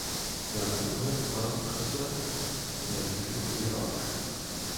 Wir haben ein unmittelbares Interesse an den Entwicklungen im Irak.